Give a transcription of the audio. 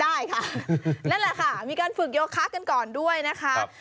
ได้ค่ะนั่นแหละค่ะมีการฝึกโยคะกันก่อนด้วยนะคะ